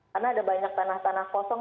karena ada banyak tanah tanah kosong